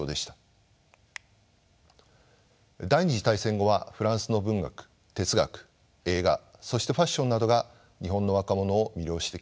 第２次大戦後はフランスの文学哲学映画そしてファッションなどが日本の若者を魅了してきました。